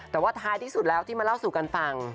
แต่ว่าท้ายที่สุดแล้วที่มาเล่าสู่กันฟัง